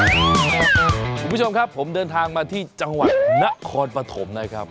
คุณผู้ชมครับผมเดินทางมาที่จังหวัดนครปฐมนะครับ